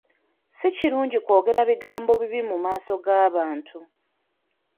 Si kirungi kwogera bigambo bibi mu maaso g'abantu.